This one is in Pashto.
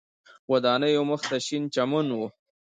ودانیو مخ ته شین چمن و.